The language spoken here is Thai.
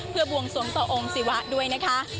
เพื่อบวงสวงต่อองค์ศิวะด้วยนะคะ